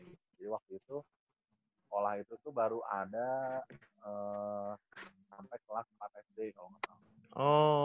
jadi waktu itu sekolah itu tuh baru ada sampai kelas empat sd kalau gak salah